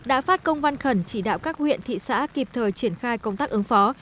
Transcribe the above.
đã phát công văn khẩn chỉ đạo các huyện thị xã kịp thời triển khai công tác ứng phó